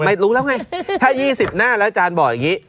ไม่รู้แล้วไงถ้า๒๐หน้าแล้วอาจารย์บอกอย่างนี้